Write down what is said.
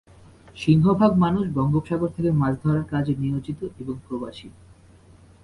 সিংহভাগ মানুষ বঙ্গোপসাগর থেকে মাছ ধরার কাজে নিয়োজিত এবং প্রবাসী।